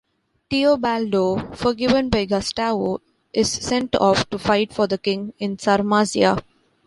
Teobaldo, forgiven by Gustavo, is sent off to fight for the king in Sarmazia.